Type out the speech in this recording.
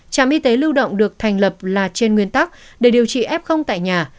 trạm y tế lưu động được thành lập là trên nguyên tắc để điều trị f tại nhà